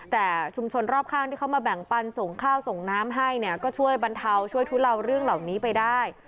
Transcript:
แต่ชุมชนรอบข้างที่เขามาแบ่งปันส่งข้าวส่งน้ำให้เนี่ยก็ช่วยบรรเทาช่วยทุเลาเรื่องเหล่านี้ไปได้